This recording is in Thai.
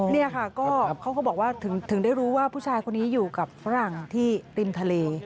นี่ค่ะก็เขาก็บอกว่าถึงได้รู้ว่าผู้ชายคนนี้อยู่กับฝรั่งที่ริมทะเล